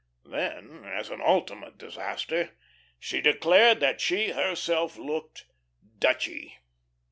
Then, as an ultimate disaster, she declared that she herself looked "Dutchy."